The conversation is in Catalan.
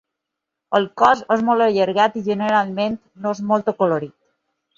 El cos és molt allargat i generalment no és molt acolorit.